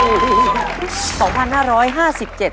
ถูกครับ